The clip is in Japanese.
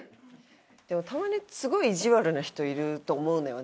でもたまにすごい意地悪な人いると思うのよ